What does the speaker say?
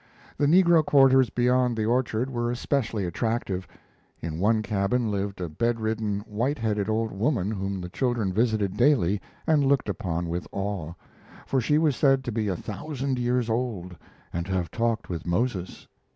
The negro quarters beyond the orchard were especially attractive. In one cabin lived a bed ridden, white headed old woman whom the children visited daily and looked upon with awe; for she was said to be a thousand years old and to have talked with Moses.